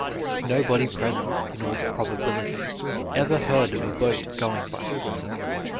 Nobody present, in all probability, ever heard of a boat going by steam.